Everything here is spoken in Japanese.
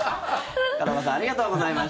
片岡さんありがとうございました。